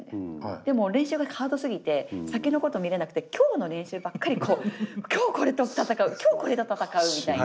でも練習がハードすぎて先のこと見れなくて今日の練習ばっかりこう今日はこれと闘う今日はこれと闘うみたいな。